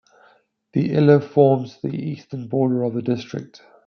The Iller forms the eastern border of the district.